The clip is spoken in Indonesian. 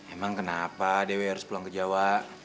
emang kenapa dewi harus pulang ke jawa